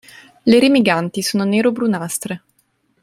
Le remiganti sono nero-brunastre.